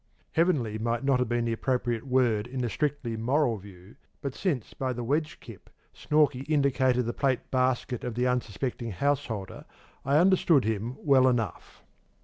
"'Heavenly might not have been the appropriate word in the strictly moral view, but since by the 'wedge kip' Snorkey indicated the plate basket of the unsuspecting householder, I understood him well enough.